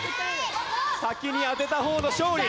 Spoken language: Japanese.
先に当てた方の勝利。